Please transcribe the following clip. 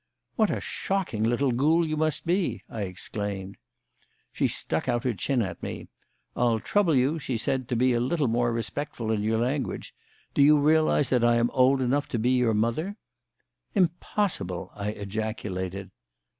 "What a shocking little ghoul you must be!" I exclaimed. She stuck out her chin at me. "I'll trouble you," she said, "to be a little more respectful in your language. Do you realise that I am old enough to be your mother?" "Impossible!" I ejaculated.